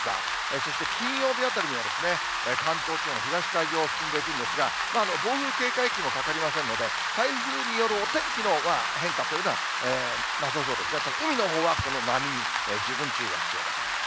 そして金曜日あたりには、関東地方の東海上を進んでいくんですが、暴風警戒域にもかかりませんので、台風によるお天気の変化というのはなさそうですね、海のほうは、この波に十分注意が必要です。